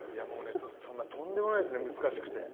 とんでもないですね難しくて。